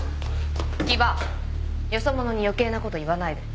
木場よそ者に余計なこと言わないで。